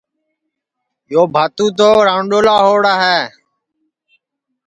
یو باتو تو رانڈؔولا ہوڑا ہے